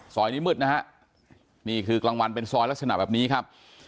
นี้มืดนะฮะนี่คือกลางวันเป็นซอยลักษณะแบบนี้ครับ